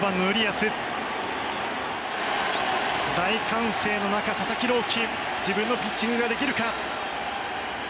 大歓声の中、佐々木朗希自分のピッチングができるか。